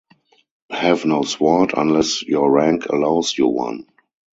Have no sword unless your rank allows you one.